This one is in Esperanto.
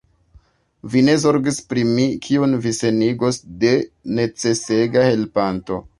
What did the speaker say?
Vi ne zorgis pri mi, kiun vi senigos de necesega helpanto!